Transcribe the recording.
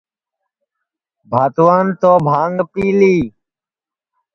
رادھان تو بھانگ پی لی